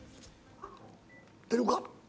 ☎☎出るか？